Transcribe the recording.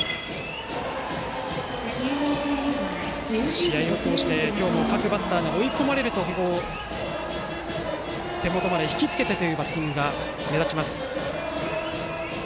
試合を通して今日も各バッターが追い込まれると手元まで引きつけてというバッティングが目立ちます。